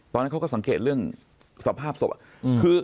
ตอนนั้นเขาก็สังเกตเรื่องสภาพศพคือ